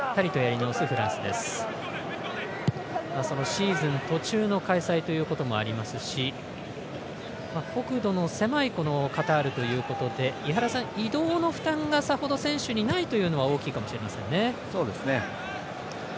シーズン途中の開催ということもありますし国土の狭いカタールということで移動の負担がさほど選手にないというのはそうですね。